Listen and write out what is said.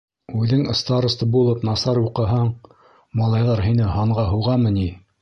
Үҙең староста булып насар уҡыһаң, малайҙар һине һанға һуғамы ни?